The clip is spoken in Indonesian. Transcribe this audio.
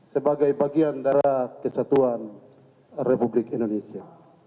sebagai bagian dari kesatuan republik indonesia